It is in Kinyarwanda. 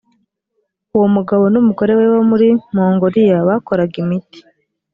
uwo mugabo n’ umugore we bo muri mongoliya bakoraga imiti.